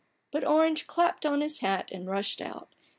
But Orange clapped on his hat and rushed out.